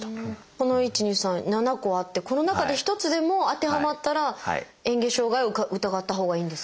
この１２３７個あってこの中で一つでも当てはまったらえん下障害を疑ったほうがいいんですか？